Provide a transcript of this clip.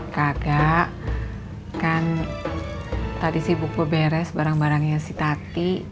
kagak kan tadi sibuk beres barang barangnya si tati